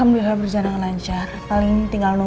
tapi kayaknya gue benar kayakku